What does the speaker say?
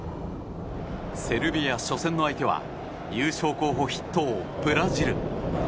セルビア初戦の相手は優勝候補筆頭、ブラジル。